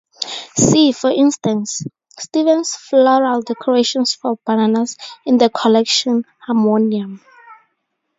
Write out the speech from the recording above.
See, for instance, Stevens's "Floral Decorations for Bananas" in the collection "Harmonium".